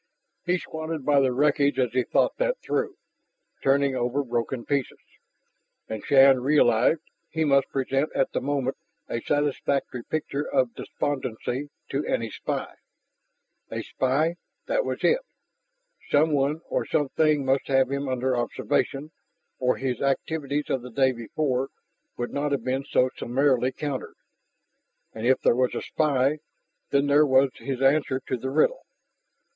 He squatted by the wreckage as he thought that through, turning over broken pieces. And, Shann realized, he must present at the moment a satisfactory picture of despondency to any spy. A spy, that was it! Someone or something must have him under observation, or his activities of the day before would not have been so summarily countered. And if there was a spy, then there was his answer to the riddle.